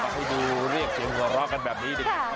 ให้ดูเรียกเสียงหัวเราะกันแบบนี้ดีกว่า